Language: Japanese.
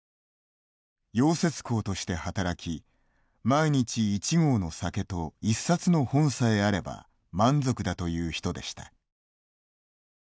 溶接工として働き毎日１合の酒と１冊の本さえあれば満足だという人でした。